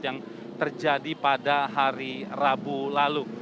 yang terjadi pada hari rabu lalu